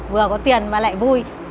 vừa có tiền và lại vui